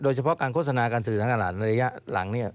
โดยเฉพาะการโฆษณาการสื่อทางตลาดในระยะหลังเนี่ย